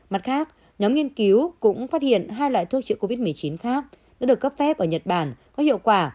mặt khác nhóm nghiên cứu cũng phát hiện hai loại thuốc chữa covid một mươi chín khác đã được cấp phép ở nhật bản có hiệu quả